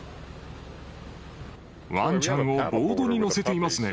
わんちゃんをボードに乗せていますね。